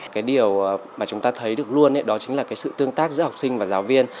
cái điều mà chúng ta thấy được luôn đó chính là cái sự tương tác giữa học sinh và giáo viên